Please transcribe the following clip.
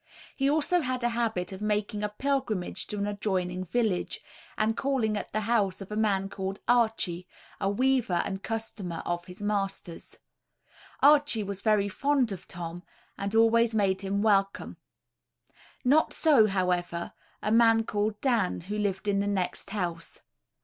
He also had a habit of making a pilgrimage to an adjoining village, and calling at the house of a man called Archie, a weaver and customer of his master's. Archie was very fond of Tom, and always made him welcome. Not so, however, a man called Dan, who lived in the next house.